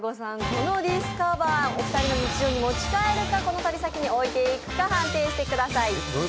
このディスカバーお二人の日常に持ち帰るかこの旅先に置いていくか判定してください